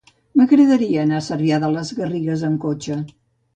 M'agradaria anar a Cervià de les Garrigues amb cotxe.